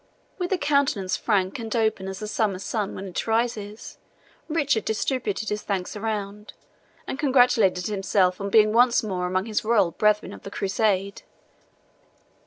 With a countenance frank and open as the summer sun when it rises, Richard distributed his thanks around, and congratulated himself on being once more among his royal brethren of the Crusade.